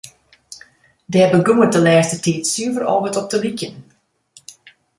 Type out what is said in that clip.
Dêr begûn it de lêste tiid suver al wer wat op te lykjen.